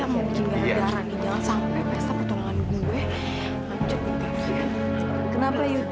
masuk ke dalam